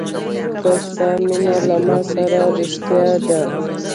که د ستا مینه له ما سره رښتیا ده.